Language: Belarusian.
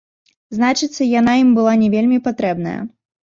Значыцца, яна ім была не вельмі патрэбная.